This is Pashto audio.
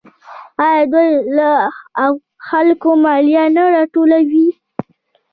آیا دوی له خلکو مالیه نه راټولوي؟